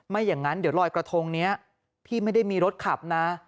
อย่างนั้นเดี๋ยวลอยกระทงนี้พี่ไม่ได้มีรถขับนะ